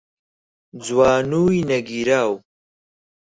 جوانووی نەگیراو